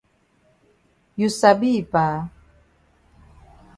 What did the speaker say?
You sabi yi pa.